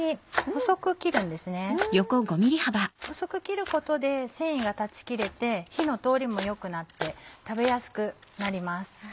細く切ることで繊維が断ち切れて火の通りも良くなって食べやすくなります。